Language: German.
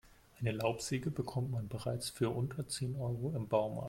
Eine Laubsäge bekommt man bereits für unter zehn Euro im Baumarkt.